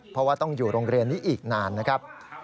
เพราะว่าต้องอยู่โรงเรียนนี้อีกนานนะครับ